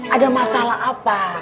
ada masalah apa